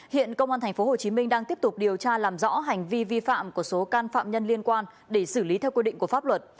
hiện công an tp hcm đang tiếp tục điều tra làm rõ hành vi vi phạm của số can phạm nhân liên quan để xử lý theo quy định của pháp luật